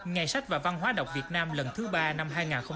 ngày sách và văn hóa độc việt nam lần thứ ba năm hai nghìn hai mươi bốn